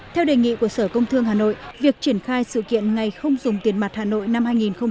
theo đề nghị của sở công thương hà nội việc triển khai sự kiện ngày không dùng tiền mặt hà nội năm hai nghìn hai mươi